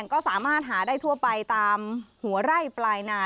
ก็สามารถหาได้ทั่วไปตามหัวไร่ปลายนา